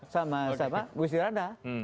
sama gus tirana